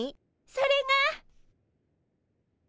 それが。